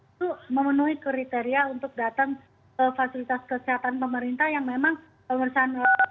itu memenuhi kriteria untuk datang ke fasilitas kesehatan pemerintah yang memang pemeriksaan